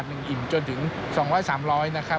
เป็นอย่างไรนั้นติดตามจากรายงานของคุณอัญชาฬีฟรีมั่วครับ